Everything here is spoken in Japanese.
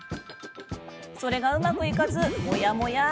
それがうまくいかずモヤモヤ。